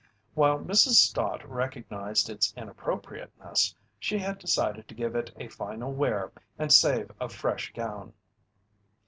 While Mrs. Stott recognized its inappropriateness, she had decided to give it a final wear and save a fresh gown.